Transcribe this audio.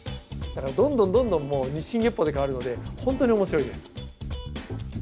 だからどんどんどんどん日進月歩で変わるのでほんとに面白いです。